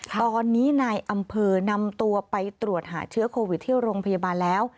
ตอนนี้นายอำเภอนำตัวไปตรวจหาเชื้อโควิดที่โรงพยาบาลแล้ว